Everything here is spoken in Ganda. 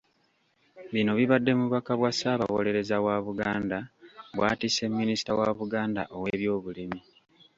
Bino bibadde mu bubaka bwa Ssaabawolereza wa Buganda bw'atisse Minisita wa Buganda ow'ebyobulimi.